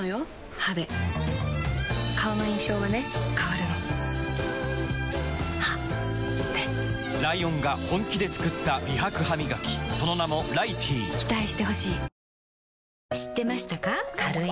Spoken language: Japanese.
歯で顔の印象はね変わるの歯でライオンが本気で作った美白ハミガキその名も「ライティー」お天気、片岡さんです。